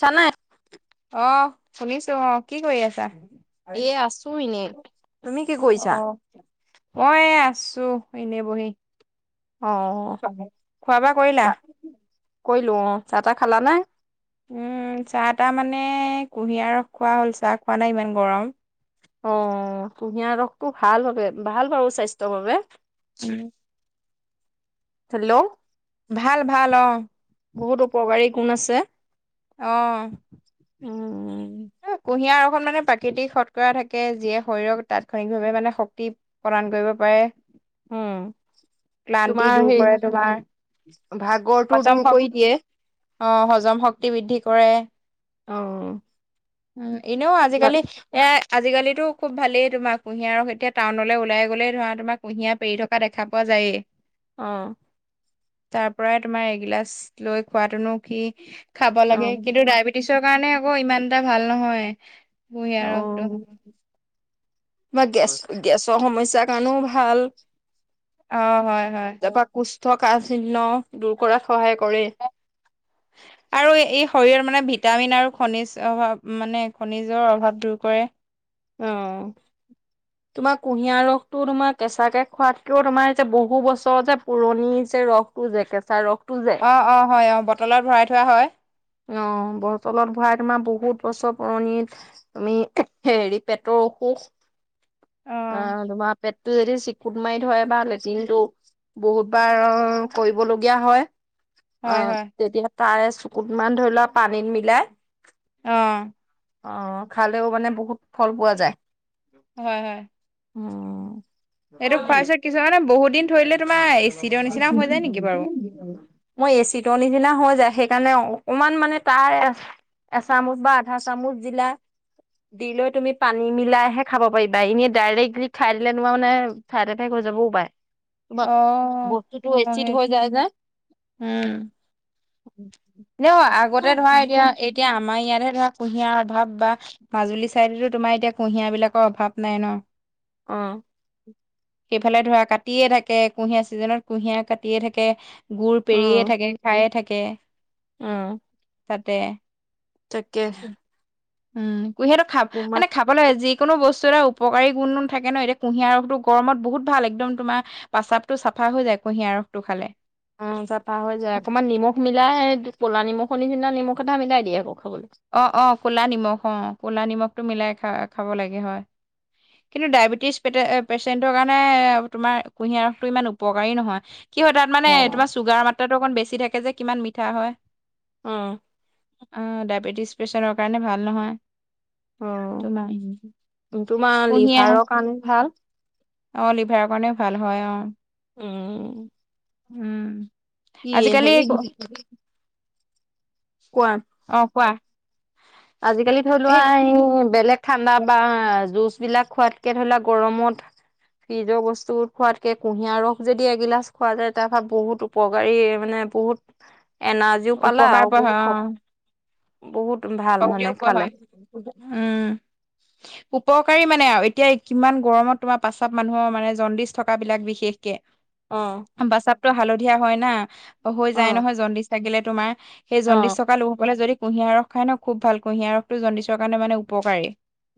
চানাই- অ শুনিছো অ কি কৰি আছা? এ আছো এনেই, তুমি কি কৰিছা? অঁ এ আছো এনেই বহি। অঁ অঁ খোৱা বোৱা কৰিলা? কৰিলো অঁ, চাহ তাহ খালা নে? উম চাহ তাহ মানে কুঁহিয়াৰ ৰস খোৱা হ'ল, চাহ খোৱা নাই ইমান গৰম। অ কুঁহিয়াৰ ৰসটো ভাল হবে ভাল বাৰু স্বাস্থ্যৰ বাবে। উম। হেল্ল' ভাল ভাল অঁ বহুত উপকাৰী গুণ আছে। অঁ উম কুঁহিয়াৰ ৰসত মানে প্ৰাকৃতিক শৎকৰা থাকে যিয়ে শৰীৰক তাৎক্ষণিকভাৱে মানে শক্তি- প্ৰদান কৰিব পাৰে। উম ক্লান্তি তোমাৰ দূৰ সেই কৰে, তোমাৰ ভাগৰটো দূৰ হজম কৰি দিয়ে। শ- অ হজম শক্তি বৃদ্ধি কৰে। অ উম এনেও অ আজিকালি এ আজিকালিতো- খুব ভালেই তোমাৰ কুঁহিয়াৰ ৰস এতিয়া টাউনলৈ ওলাই গ'লেই ধৰা তোমাৰ কুঁহিয়াৰ পেৰি থকা দেখা পোৱা যায়েই। অঁ তাৰ পৰাই তোমাৰ এগিলাচ লৈ খোৱাতোনো কি- খাব লাগে কিন্তু ডায়বেটিছৰ কাৰণে আকৌ ইমান এটা ভাল নহয় অ কুহিয়াৰ ৰসটো। বা গেছ গেছৰ সমস্যাৰ কাৰণেও ভাল। অ হয় হয়। তাৰপৰা কুষ্ঠ কাহ চিহ্ন দূৰ কৰাত সহায় কৰে। আৰু আৰু এই শৰীৰৰ মানে ভিটামিন আৰু খনিজ অভাৱ মানে খনিজৰ অভাৱ দূৰ কৰে। অঁ উ [inaudible] তোমাৰ কুঁহিয়াৰ ৰসতো তোমাৰ কেঁচাকে খোৱাতকেও তোমাৰ এতিয়া বহু বছৰ যে পুৰণি যে ৰস- জ কেচা ৰসতো যে- অঁ অ হয় অঁ বটলত ভৰাই থোৱা হয়। অঁ বতলত ভৰাই তোমাৰ বহুত বছৰ পুৰণি- আমি হেৰি পেটৰ অসুখ, অ আহ তোমাৰ- পেটটো যদি চিকুট মাৰি থয় বা লেটিনটো। বহুত বাৰ কৰিবলগীয়া হয়। অ হয় হয় তেতিয়া তাৰে চুকুত মান ধৰি লোৱা পানীত মিলাই- অ অ খালেও মানে বহুত ফল পোৱা যায়। হয় হয়। অঁ এইটো খোৱাইছে কিছুমানে বহু দিন থৈ দিলে তোমাৰ- এচিডৰ পে নিচিনা হৈ যায় [unintelligible] নেকি বাৰু মই এচিতৰ নিচিনা হৈ যায় সেইকাৰণে অকণমান মানে তাৰ আ- এচামুচ বা আধা চামুচ দিলা। দিলৈ তুমি পানী মিলাইহে খাব পাৰিবা, এনেই ডাইৰেক্টলি খাই দিলে তোমাৰ মানে- চাইদ এফেক্ট হৈ যাব পায়ে। অ বস্তুতটো অ', এচিড সেই হৈ যায় যে। উম উম [inaudible] এনেও আগতে ধৰা এতিয়া এতিয়া আমাৰ ইয়াতেহে ধৰা কুঁহিয়াৰ অভাৱ বা- মাজুলী চাইডেতো তোমাৰ এতিয়া কুঁহিয়া বিলাকৰ অভাৱ নাই ন। অঁ সেইফালে ধৰা কাটিয়ে থাকে, কুঁহিয়াৰ ছিজনত কুঁহিয়াৰ কাটিয়ে থাকে। গুৰ অ পেৰিয়ে থাকে খায়ে থাকে। উম তাতে তাকে উম কুহিয়াটো খাব তোমাক মানে খাব- বোলে যিকোনো বস্তু এটা উপকাৰী গুণ থাকে ন এতিয়া কুঁহিয়াৰ ৰসটো গৰমত বহুত ভাল একদম তোমাৰ- প্ৰাস্ৰাৱটো চাফা হৈ যায় কুঁহিয়াৰ ৰসটো খালে। অ চাফা হৈ যায় অকণমান নিমখ মিলাই কলা নিমখৰ নিচিনা নিমখ এটা মিলাই দিয়ে আকৌ খাবলৈ। অঁ অঁ ক'লা নিমখ অঁ ক'লা নিমখটো মিলাই খা খাব লাগে হয়। কিন্তু ডায়েবেটিছে পেচেণ্টৰ কাৰণে তোমাৰ কুঁহিয়াৰ ৰসটো ইমান উপকাৰী নহয়। কি হয় তাত অ মানে তোমাৰ চুগাৰ মাত্ৰাটো অকণ বেছি থাকে যে কিমান মিঠা হয়। উম। ডায়েবেটিছ পেচেণ্টৰ কাৰণে ভাল নহয়। অ তোমাৰ তোমাৰ লিভাৰৰ কুঁহিয়াৰ- কাৰণে ভাল অ, লিভাৰৰ কাৰণেও ভাল হয়। অ' উম'। উম' কি আজিকালি হেৰি ক কোৱা অ‌ঁ কোৱা। আজিকালি ধৰি লোৱা এই বেলেগ ঠাণ্ডা বা জুচ বিলাকত- এতিয়া ধৰি লোৱা গৰমত ফ্ৰিজৰ বস্তু খোৱাতকে, কুঁহিয়াৰ ৰস যদি এগিলাচ খোৱা যায়, তাৰপা বহুত উপকাৰী মানে বহুত এনাৰ্জিও পালা উপকাৰ আৰু পোৱা হয় অ' বহুত-বহুত ভাল শক্তিও মানে পোৱা খালে। হয় উম' উপকাৰী মানে আৰু এতিয়া কিমান গৰমত তোমাৰ প্ৰস্ৰাৱ মানুহৰ মানে জণ্ডিচ থকা বিলাক বিশেষকে। অ' প্ৰস্ৰাৱটো হালধীয়া হয় না, হৈ যায় অ', নহয় জণ্ডিচ থাকিলে তোমাৰ। সেই জণ্ডিচ অ', থকা লোকসকলে যদি কুঁহিয়াৰ ৰস খায় ন খুব ভাল, কুঁহিয়াৰ ৰসটো জণ্ডিচৰ কাৰণে মানে উপকাৰী।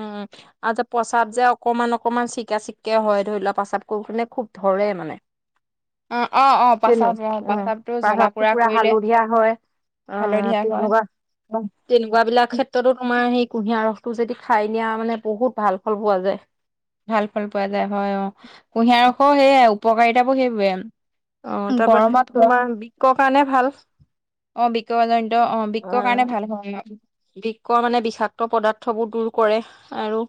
উম' আৰু যে প্ৰস্ৰাৱ যে অকমান-অকমান চিকা- চিকে হয়, ধৰি লোৱা প্ৰস্ৰাৱ কৰি পিনে খুব ধৰে মানে। অ-অ-অ তেনো প্ৰস্ৰাৱ, উম, অ'প্ৰস্ৰাৱটো প্ৰস্ৰাৱটো জ্বলা-পুৰা পুৰা কৰিলে। হালধীয়া হয়। অ', হালধীয়া হয়। তেনেকুৱা অ' তেনেকুৱা বিলাক ক্ষেত্ৰতো তোমাৰ সেই কুঁহিয়াৰ ৰস টো যদি খায় দিয়া, মানে বহুত ভাল ফল পোৱা যায়। ভাল ফল পোৱা যায় হয়। অ' কুঁহিয়াৰ ৰসৰ সেইয়াই উপকাৰিতাবোৰ সেইবোৰে। অ, তাৰপা গৰমত তোমাৰ বিক্ক কাৰণে ভাল। অ, বিক্ক জনিত অ, বিক্ক কাৰণে ভাল হয়। বিক্ক মানে বিষাক্ত পদাৰ্থবোৰ দূৰ কৰে। আৰু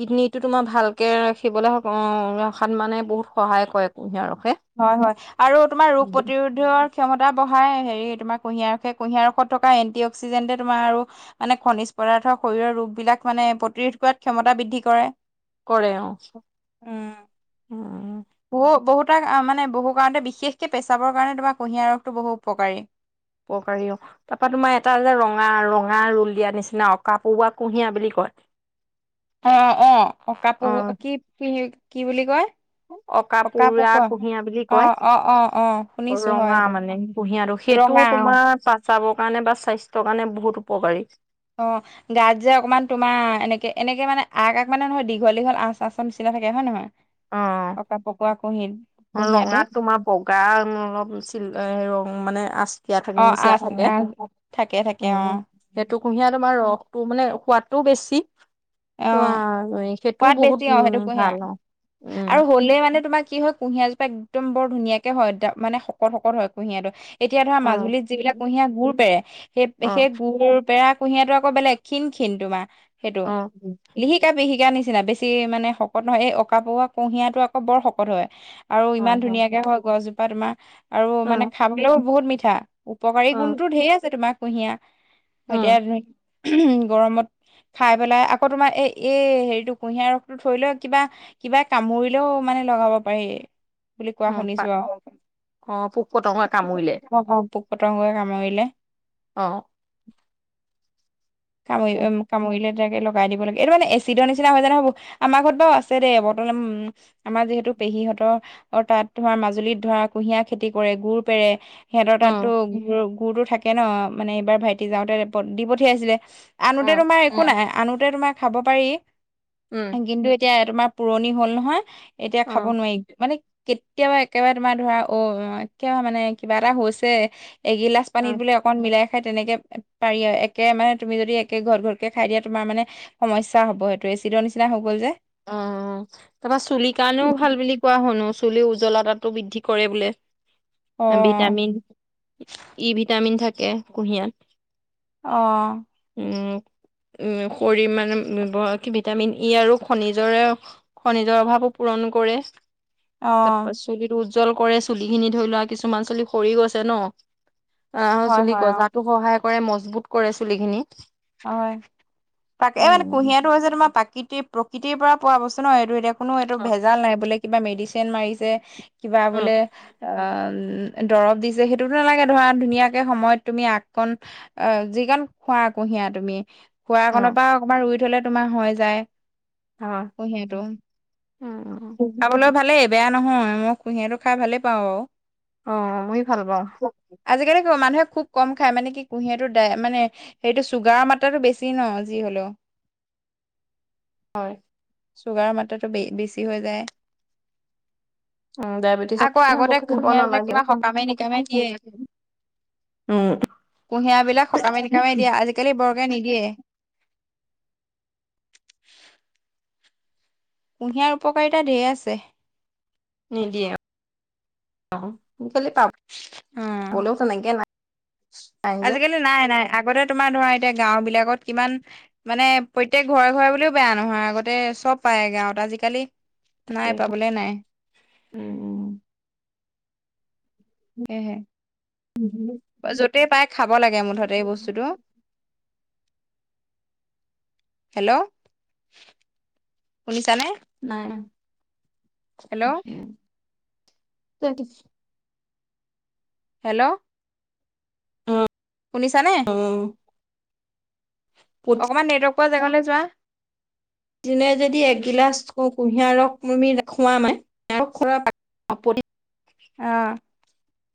কিডনীটো তোমাৰ ভালকে ৰাখিবলৈ হওক, অ'ৰখাত মানে বহুত সহায় কৰে কুঁহিয়াৰ ৰসে। হয়-হয় আৰু তোমাৰ ৰোগ প্ৰতিৰোধ ৰ ক্ষমতা বঢ়ায় হেৰি তোমাৰ কুঁহিয়াৰ ৰসে, কুঁহিয়াৰ ৰসত থকা এণ্টি অক্সিডেণ্টে তোমাৰ আৰু মানে খনিজ পদাৰ্থ শৰীৰৰ ৰোগবিলাক মানে প্ৰতিৰোধ কৰাত ক্ষমতা বৃদ্ধি কৰে। কৰে অ' উম। বহু-বহু তাক মানে বহু কাৰণতে, বিশেষকে প্ৰস্ৰাৱৰ কাৰণে তোমাৰ কুঁহিয়াৰ ৰসটো বহু উপকাৰী। উপকাৰী অ'। তাৰপা তোমাৰ এটা যে ৰঙা-ৰঙা ৰোল দিয়া নিচিনা, অকা পৌৱা কুঁহিয়া বুলি কয়। অ-অ, অকা পো অ', কি-কি-কি বুলি কয়? অকা পৰুৱা পকোৱা, কুঁহিয়া বুলি কয়। অ-অ-অ-অ শুনিছো হয় সেইটো। কুঁহিয়াটো, সেইটোও ৰঙা অ তোমাৰ প্ৰস্ৰাৱৰ কাৰণে বা স্বাস্থ্যৰ কাৰণে বহুত উপকাৰী। অ। গাত যে অকণমান তোমাৰ এনেকে-এনেকে মানে আগ-আগ মানে নহয় দীঘল-দীঘল আচ-আচ ৰ নিচিনা থাকে। হয় নহয়? অ। পকা পকোৱা কুহিত অ, ৰঙাত তোমাৰ বগা অলপ চিল এ ৰঙ মানে আছে। দিয়া অ থকা, নিচিনা আচ থাকে। আচ থাকে থাকে অ উম' সেইটো কুঁহিয়াৰ তোমাৰ ৰসটো মানে সোৱাদটো বেছি। অ, তো সেইটোও সোৱাদ বহুত বেছি অ, উম সেইটো কুঁহিয়াৰ ভাল অ'। উম, আৰু হ'লেই মানে তোমাৰ কি হয় কুঁহিয়াৰ জোপা একদম বৰ ধুনীয়াকে হয়। মানে শকত-শকত হয় কুঁহিয়াৰটো। এতিয়া ধৰা অ', মাজুলীত যিবিলাক কুঁহিয়াৰ গুৰ পেৰে, অ', সেই-সেই গুৰবোৰ পেৰা কুঁহিয়াৰটো আকৌ বেলেগ, ক্ষীণ-ক্ষীণ তোমাৰ সেইটো। অ', লিহিকা-পিহিকা নিচিনা বেছি মানে শকত নহয়। এই অকা পোৱা কুঁহিয়াটো আকৌ বৰ শকত হয়। আৰু ইমান ধুনীয়াকে হয় গছজোপা তোমাৰ আৰু মানে অ', খাবলৈও বহুত মিঠা। উপকাৰী অ', গুণটো ঢেৰ আছে তোমাৰ কুঁহিয়াৰ। এতিয়া উম, তুমি [unintelligible] উম' গৰমত খাই পেলাই আকৌ তোমাৰ এ এই হেৰিটো কুঁহিয়াৰ ৰসটো থৈ লয় কিবা কিবা কামুৰিলেও মানে লগাব পাৰি। বুলি কোৱা অ' পা শুনিছোঁ আৰু। অ' পোক পতংগই কামুৰিলে [unintelligible] পতংগই কামুৰিলে। অ'। [unintelligible] কামুৰিলে তেনেকে লগাই দিব লাগে। এইটো মানে এচিডৰ নিচিনা হয় জানা বো। আমাৰ ঘৰত বাৰু আছে দেই বটল আমাৰ যিহেতু পেহীহঁতৰ অ'- তাত ধৰা, মাজুলীত ধৰা কুঁহিয়াৰ খেতি কৰে, গুৰ পেৰে, সিহঁতৰ উম, তাতো গুৰ- গুৰো থাকে ন', মানে এইবাৰ ভাইটি যাওঁতে ৰেপদ দি পঠিয়াইছিলে। আনোতে অ', তোমাৰ একো নাই। আনোতে তোমাৰ খাব পাৰি। উম। কিন্তু এতিয়া তোমাৰ পুৰণি হ'ল নহয়, এতিয়া খাব অ', নোৱাৰি। মানে কেতিয়াবা একেবাৰে তোমাৰ ধৰা, অ' কিয় মানে কিবা এটা হৈছে, এগিলাচ অ'। পানীত বোলে অকণ মিলাই খাই তেনেকে পাৰি আৰু। একে মানে তুমি যদি একে ঘঢ়-ঘঢ়কে খাই দিয়া, তোমাৰ মানে সমস্যা হ'ব। সেইটো এচিডৰ নিচিনা হৈ গ'ল যে। অ'। তোমাৰ চুলিৰ কাৰণেও ভাল বুলি কোৱা শুনো। চুলিৰ উজ্জ্বলতাটো বৃদ্ধি কৰে বোলে। অ ভিটামিন- ই ভিটামিন থাকে কুঁহিয়াত। অ'। উম। উম শৰি- মানে ভ- কি ভিটামিন ই আৰু খনিজৰে- খনিজৰ অভাৱো পূৰণ কৰে। অ তাৰ পাছ চুলিটো উজ্জ্বল কৰে, চুলিখিনি ধৰি লোৱা, কিছুমান চুলি সৰি গৈছে ন'। অ' হয় চুলি হয় অ গজাতো সহায় কৰে, মজবুত কৰে চুলিখিনি। হয়। তাকে মানে কুঁহিয়াৰটো হৈছে তোমাৰ প্ৰাকৃতিৰ- প্ৰকৃতিৰ পৰা পোৱা বস্তু ন', এইটো এতিয়া কোনো এইটো অ ভেজাল নাই, বোলে কিবা মেডিচিন মাৰিছে, কিবা বোলে অ'- উম- দৰৱ দিছে, সেইটোতো নালাগে ধৰা, ধুনীয়াকে সময়ত তুমি আগকণ অ' যি কন খোৱা কুঁহিয়া তুমি, খোৱা অ অকণৰ পৰা অকণমান ৰুই থলে তোমাৰ হৈ যায়। হয় কুহিয়াটো। উম [inaudible] খাবলৈ ভালে। বেয়া নহয়। মই কুঁহিয়াৰটো খাই ভালেই পাওঁ বাও। অ' মই ভাল পাওঁ। আজিকালি ক- মানুহে খুব কম খায়, মানে কি কুঁহিয়াৰটো দ- মানে হেৰিটো ছুগাৰ মাত্ৰাটো বেছি ন', যি হ'লেও। হয়। ছুগাৰৰ মাত্ৰাটো বে- বেছি হৈ যায়। উম ডায়েবেটিছ আকৌ আগতে বৰকে খাব কুহিয়াৰক নালাগে কিবা সকামে-নিকামে দিয়ে। উম কুঁহিয়াৰবিলাক সকামে - নিকামে দিয়ে। আজিকালি বৰকে নিদিয়ে। কুঁহিয়াৰ উপকাৰীতা ঢেৰ আছে। নিদিয়ে। [inaudible] খালি পাবলেও তেনেকে নাই। নাই যে। আজিকালি নাই - নাই। ‌ আগতে তোমাৰ ধৰা, এতিয়া গাওঁবিলাকত কিমান মানে প্ৰত্যেক ঘৰে - ঘৰে বুলিও বেয়া নহয়। আগতে চব পায় গাঁৱত। আজিকালি নাই, তাকে পাবলে নাই। উম উম। সেয়েহে। [inaudible] য'তেই পাই খাব লাগে মুঠতে এই বস্তুটো। হেল্ল'? শুনিছানে? নাই। Hello [inaudible] hello? শুনিছানে? উম। অকমান নেটৱৰ্ক পোৱা জেগালৈ যোৱা। দিনে যদি একগিলাচ কু কুঁহিয়াৰ ৰস তুমি খোৱা মানে তাৰ পৰা কি অঁ।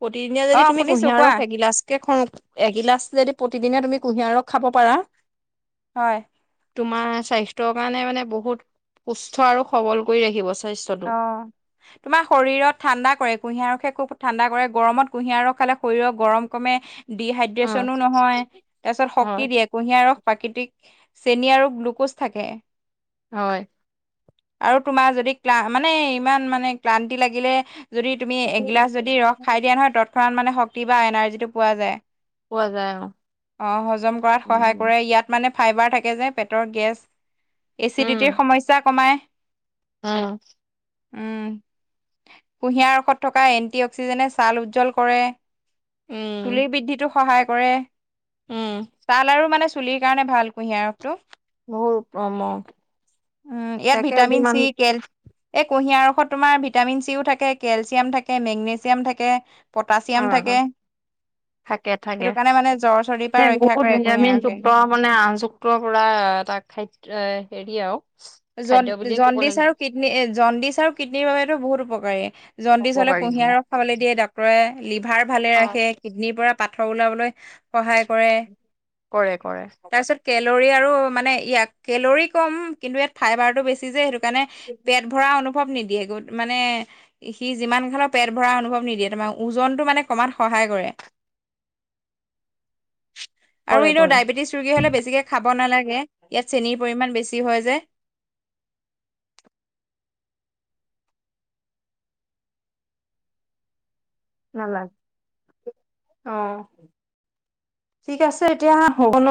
প্ৰতিদিনীয়া যদি তুমি কুঁহিয়াৰ ৰস এগিলাচ- কে খ- এগিলাচ যদি প্ৰতিদিনে তুমি কুঁহিয়াৰ ৰস খাব পাৰা হয়। তোমাৰ স্বাস্থ্যৰ কাৰণে মানে বহুত সুস্থ আৰু সবল কৰি ৰাখিব। স্বা অঁ। তোমাৰ শৰীৰত ঠাণ্ডা কৰে কুঁহিয়াৰ ৰসে খুব ঠাণ্ডা কৰে গৰমত কুঁহিয়াৰ ৰস খালে শৰীৰক গৰম কমে উম ডিহাইড্ৰেচনো নহয়, তাৰপিছত হয় শক্তি দিয়ে কুঁহিয়াৰ ৰস প্ৰাকৃতিক চেনি আৰু গ্লুক'জ থাকে। হয়। আৰু তোমাৰ যদি ক্লা মানে ইমান মানে ক্লান্তি লাগিলে যদি তুমি এগিলাচ যদি ৰস খাই দিয়া নহয় তৎক্ষণাৎ মানে শক্তি বা এনাৰ্জিটো পোৱা যায়। পোৱা যায় অ। অঁ হজম কৰাত সহায় উম কৰে। ইয়াত- মানে ফাইবাৰ থাকে যে পেটৰ গেছ এচিডিটিৰ সমস্যা কমাই। অঁ। উম, কুঁহিয়াৰ ৰসত থকা এণ্টি অক্সিজেনে ছাল উজ্জ্বল কৰে। চুলিৰ উম বৃদ্ধিটো সহায় কৰে, উম। তাৰ- মানে চুলিৰ কাৰণে ভাল কুঁহিয়াৰ ৰসটো। বহুত উত্তম অঁ। উম ইয়াত ভিটামিন চি কেল- এই কুঁহিয়াৰ ৰসত তোমাৰ ভিটামিন চিও থাকে কেলছিয়াম থাকে মেগনেছিয়াম থাকে। অ পটাছিয়াম থাকে। থাকে থাকে। সেইটো কাৰণে মানে জ্বৰ চৰ্দিৰ মানে পৰা ৰক্ষা বহুত কৰে ভিটামিন কুঁহিয়াৰ যুক্ত ৰসে মানে আন যু পৰা এটা খাদ্য এ হেৰী আও- জন জণ্ডিছ আৰু কিডনী এ জণ্ডিছ আৰু কিডনীৰ বাবেটো বহুত উপকাৰি। জণ্ডিছ হ'লে উপকাৰী কুঁহিয়াৰ ৰস খাবলে দিয়ে। ডক্ত- ক্তৰে লিভাৰ ভালে অ ৰাখে কিডনীৰ পৰা পাথৰ ওলাবলৈ- সহায় কৰে। কৰে কৰে তাৰপিছত কেলৰি আৰু মানে ইয়াক কেলৰি কম কিন্তু ইয়াত ফাইবাৰটো বেছি যে সেইটো কাৰণে পেট- ভৰা অনুভৱ নিদিয়ে, গ মানে- সি যিমান খালো পেট ভৰা অনুভৱ নিদিয়ে, তোমাৰ ওজনটো মানে কমাত সহায় কৰে। [inaudible] আৰু কৰে এনেও কৰে ডায়েবেটিছ ৰোগী হ'লে বেছিকে খাব নালাগে। ইয়াত চেনিৰ পৰিমাণ বেছি হয় যে। নালাগে অঁ। ঠিক আছে এতিয়া বা হ'ব ন।